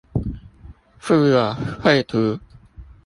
附有繪圖